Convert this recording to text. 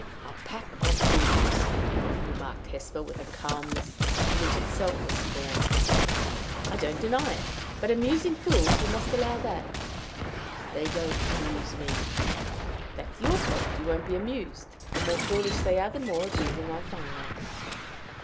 "A pack of fools!" remarked Hesper, with a calmness which in itself was scorn. "I don't deny it but amusing fools you must allow that!" "They don't amuse me." "That's your fault: you won't be amused. The more foolish they are, the more amusing I find them."